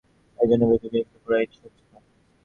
এজন্য বেহাইকে বিরক্ত করিতে ইচ্ছা করি না।